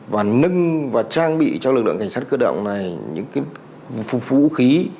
và nâng và trang bị cho lực lượng cảnh sát cơ động này những vũ khí